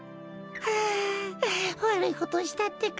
はあわるいことしたってか！